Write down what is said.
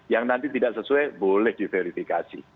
yang nanti tidak sesuai boleh diverifikasi